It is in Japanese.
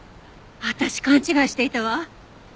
私勘違いしていたわ！